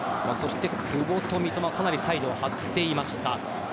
久保と三笘かなりサイド、張っていました。